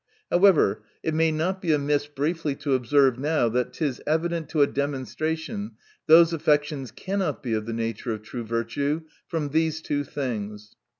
However, it may not be amiss briefly to observe now, that it is evident to a demonstration, those affections cannot be of the nature of true virtue, from these two things.